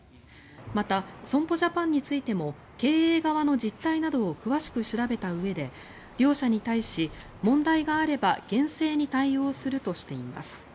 また、損保ジャパンについても経営側の実態などを詳しく調べたうえで両社に対し、問題があれば厳正に対応するとしています。